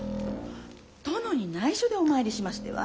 殿にないしょでお参りしましては？